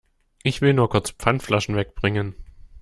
Ich will nur kurz Pfandflaschen weg bringen.